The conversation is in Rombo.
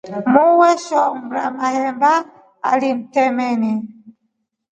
Muu weshomra mahemba alimtemeni.